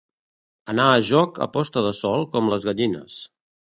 Anar a joc a posta de sol com les gallines.